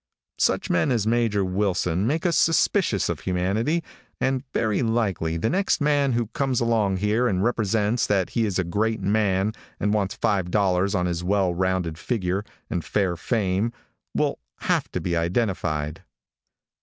Such men as Major Wilson make us suspicious of humanity, and very likely the next man who comes along here and represents that he is a great man, and wants five dollars on his well rounded figure and fair fame will have to be identified.